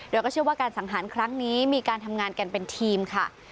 โดยก็เชื่อว่าการสังหารครั้งนี้มีการทำงานกันเป็นทีมค่ะ